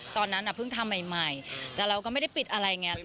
ตอนนั้นเพิ่งทำใหม่แต่เราก็ไม่ได้ปิดอะไรอย่างนี้